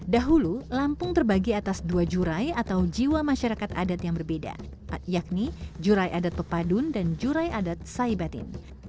dahulu lampung terbagi atas dua jurai atau jiwa masyarakat adat yang berbeda yakni jurai adat pepadun dan jurai adat saibatin